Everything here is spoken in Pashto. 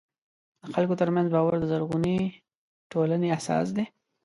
د خلکو ترمنځ باور د زرغونې ټولنې اساس دی.